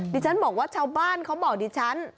ดิฉันบอกว่าชาวบ้านเขาบอกดิฉัน